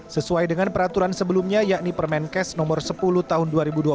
sesuai dengan peraturan sebelumnya yakni permenkes nomor sepuluh tahun dua ribu dua puluh